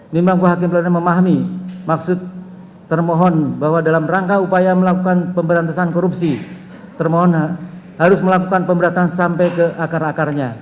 memang kuhakim pidana memahami maksud termohon bahwa dalam rangka upaya melakukan pemberantasan korupsi termohon harus melakukan pemberatan sampai ke akar akarnya